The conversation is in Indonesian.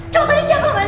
contohnya siapa mas